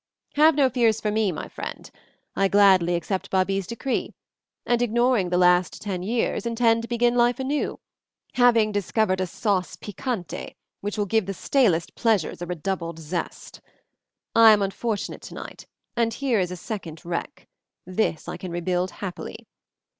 Have no fears for me, my friend. I gladly accept Babie's decree and, ignoring the last ten years, intend to begin life anew, having discovered a sauce piquante which will give the stalest pleasures a redoubled zest. I am unfortunate tonight, and here is a second wreck; this I can rebuild happily.